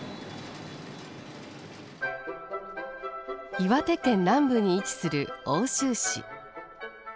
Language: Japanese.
岩手県南部に位置する奥州市。